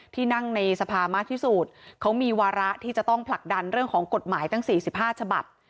ที่นั่งในสภามากที่สุดเขามีวาระที่จะต้องผลักดันเรื่องของกฎหมายตั้ง๔๕ฉบับ